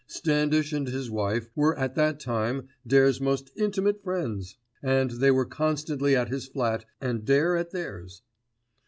Standish and his wife were at that time Dare's most intimate friends, and they were constantly at his flat and Dare at theirs.